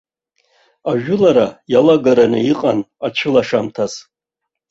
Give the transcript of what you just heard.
Ажәылара иалагараны иҟан ацәылашамҭаз.